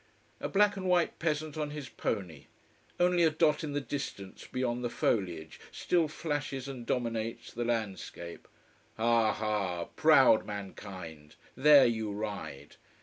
A black and white peasant on his pony, only a dot in the distance beyond the foliage, still flashes and dominates the landscape. Ha ha! proud mankind! There you ride!